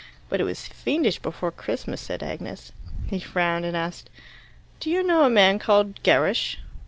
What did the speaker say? "But it was fiendish before Christmas," said Agnes. He frowned, and asked, "Do you know a man called Gerrish?"